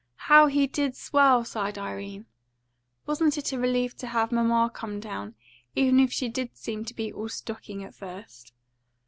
"How he did swell!" sighed Irene. "Wasn't it a relief to have mamma come down, even if she did seem to be all stocking at first?"